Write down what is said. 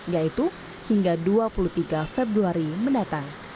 yaitu hingga dua puluh tiga februari mendatang